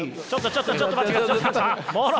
ちょっとちょっと待ってください。